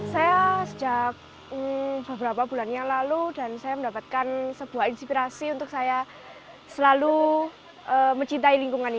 saya sejak beberapa bulan yang lalu dan saya mendapatkan sebuah inspirasi untuk saya selalu mencintai lingkungan ini